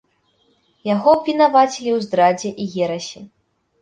Яго абвінавацілі ў здрадзе і ерасі.